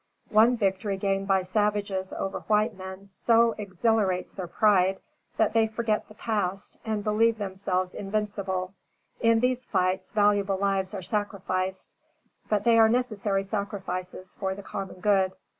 One victory gained by savages over white men so exhilarates their pride that they forget the past and believe themselves invincible. In these fights, valuable lives are sacrificed, but they are necessary sacrifices for the common good.